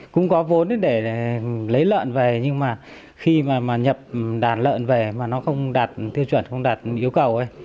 cũng có vốn để lấy lợn về nhưng mà khi mà nhập đàn lợn về mà nó không đạt tiêu chuẩn không đạt yêu cầu